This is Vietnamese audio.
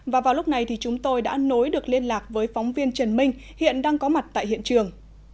và vào lúc này thì chúng tôi đã nối được liên lạc với phóng viên trần minh hiện đang có mặt tại hiện trường